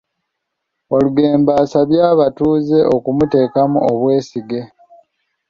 Walugembe asabye abatuuze okumuteekamu obwesige